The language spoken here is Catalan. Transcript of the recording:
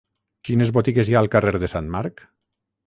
Quines botigues hi ha al carrer de Sant Marc?